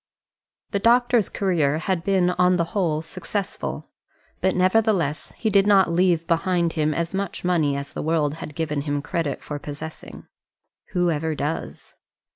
The doctor's career had been on the whole successful, but nevertheless he did not leave behind him as much money as the world had given him credit for possessing. Who ever does?